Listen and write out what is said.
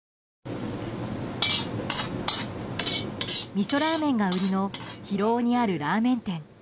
みそラーメンが売りの広尾にあるラーメン店。